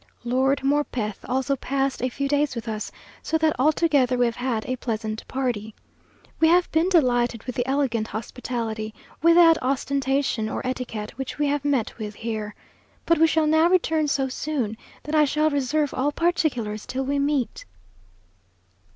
Lord Morpeth also passed a few days with us; so that altogether we have had a pleasant party. We have been delighted with the elegant hospitality, without ostentation or etiquette, which we have met with here. But we shall now return so soon, that I shall reserve all particulars till we meet.